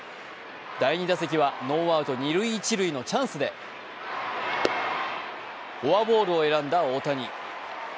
第２打席はノーアウト二・一塁のチャンスでフォアボールを選んだ大谷。